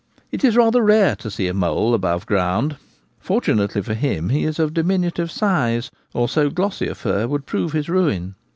It is rather rare to see a mole above ground ; fortunately for him he is of diminutive size, or so glossy a fur would prove his ruin.